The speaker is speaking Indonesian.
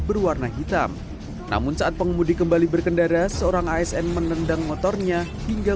berwarna hitam namun saat pengemudi kembali berkendara seorang asn menendang motornya hingga